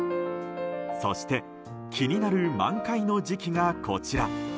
そして、気になる満開の時期がこちら。